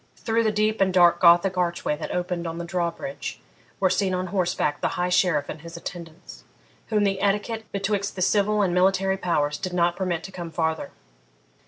Through the deep and dark Gothic archway that opened on the drawbridge were seen on horseback the High Sheriff and his attendants, whom the etiquette betwixt the civil and military powers did not permit to come farther.